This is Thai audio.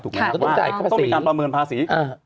ต้องมีการประเมินภาษี